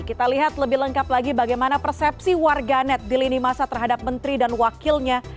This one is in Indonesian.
kita lihat lebih lengkap lagi bagaimana persepsi warganet di lini masa terhadap menteri dan wakilnya